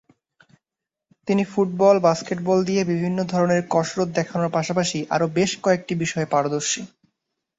তিনি football, basketball দিয়ে বিভিন্ন ধরনের কসরত দেখানোর পাশাপাশি আরো বেশ কয়েকটি বিষয়ে পারদর্শী।